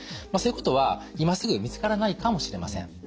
そういうことは今すぐ見つからないかもしれません。